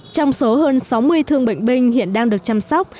trong số hơn sáu mươi thương bệnh binh hiện đang được chăm sóc